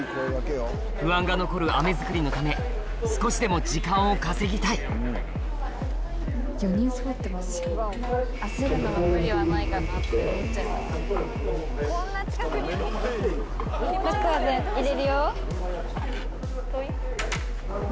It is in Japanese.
不安が残る飴作りのため少しでも時間を稼ぎたいこんな近くに４人。